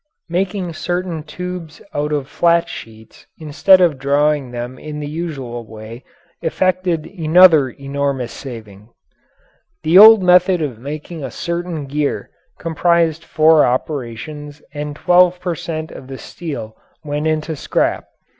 Making certain tubes out of flat sheets instead of drawing them in the usual way effected another enormous saving. The old method of making a certain gear comprised four operations and 12 per cent. of the steel went into scrap.